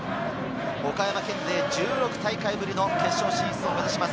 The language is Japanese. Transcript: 岡山県勢、１６大会ぶりの決勝進出を目指します。